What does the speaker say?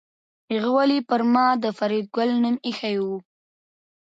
هغه ولې پر ما د فریدګل نوم ایښی و